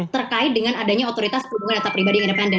terkait dengan adanya otoritas perlindungan data pribadi yang independen